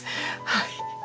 はい。